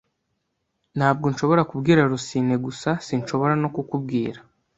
Ntabwo nshobora kubwira Rusine gusa, sinshobora no kukubwira.